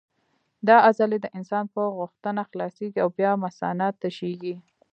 دا عضلې د انسان په غوښتنه خلاصېږي او بیا مثانه تشېږي.